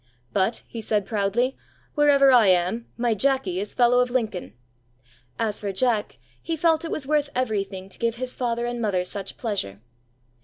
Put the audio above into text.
"But," he said, proudly, "wherever I am, my Jacky is Fellow of Lincoln." As for Jack, he felt it was worth everything to give his father and mother such pleasure.